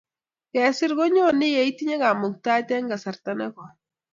Kesir konyone yeitinye kamuktaet eng kasarta ne koi